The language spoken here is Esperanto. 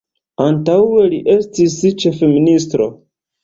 Antaŭe li estis ĉefministro.